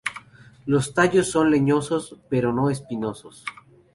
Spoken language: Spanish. Los tallos son leñosos, pero no espinosos.